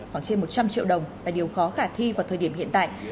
khoảng trên một trăm linh triệu đồng là điều khó khả thi vào thời điểm hiện tại